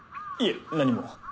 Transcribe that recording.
いえ何も。